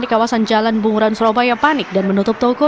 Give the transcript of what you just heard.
di kawasan jalan bunguran surabaya panik dan menutup toko